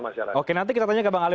oke nanti kita tanya ke bang ali